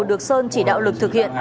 được sơn chỉ đạo lực thực hiện